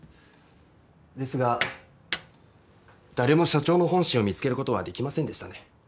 ですが誰も社長の本心を見つけることはできませんでしたね。